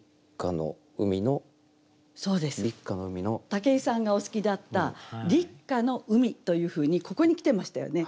武井さんがお好きだった「立夏の海」というふうにここに来てましたよね。